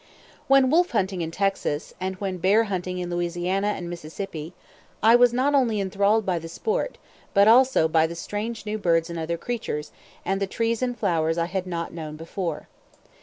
When wolf hunting in Texas, and when bear hunting in Louisiana and Mississippi, I was not only enthralled by the sport, but also by the strange new birds and other creatures, and the trees and flowers I had not known before.